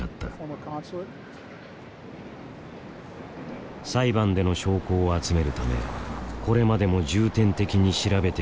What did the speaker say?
裁判での証拠を集めるためこれまでも重点的に調べてきた場所だ。